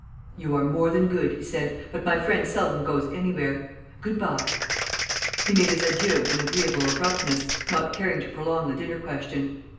"You are more than good," he said, "but my friend seldom goes anywhere. Good bye." He made his adieux with an agreeable abruptness, not caring to prolong the dinner question.